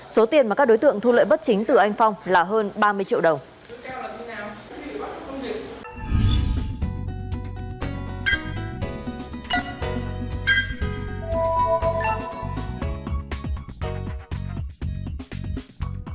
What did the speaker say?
số tiền mà các đối tượng thu lợi bất chính từ anh phong là hơn ba mươi triệu đồng